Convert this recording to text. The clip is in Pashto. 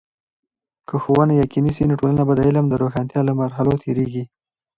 که ښوونه یقيني سي، نو ټولنه به د علم د روښانتیا له مرحلو تیریږي.